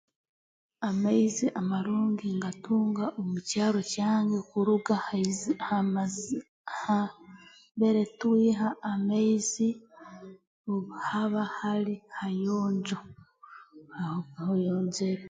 Amaizi amarungi ngatunga omu kyaro kyange kuruga haizi hamazi ha mbere twiha amaizi obu haba hali hayonjo ha hayonjere